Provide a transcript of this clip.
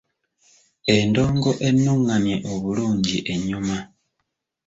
Endongo ennungamye obulungi enyuma.